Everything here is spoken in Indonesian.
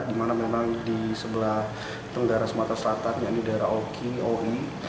dimana memang di sebelah tenggara semata selatan yang di daerah oki owi